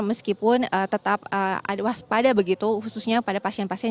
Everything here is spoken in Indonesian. meskipun tetap waspada begitu khususnya pada pasien pasien